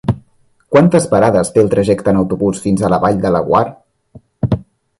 Quantes parades té el trajecte en autobús fins a la Vall de Laguar?